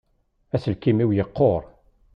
Aselkim-iw yeqquṛ.